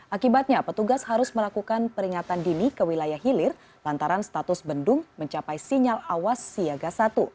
akibatnya petugas harus melakukan peringatan dini ke wilayah hilir lantaran status bendung mencapai sinyal awas siaga satu